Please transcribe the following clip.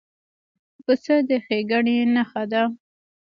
پسه د ښېګڼې نښه ده.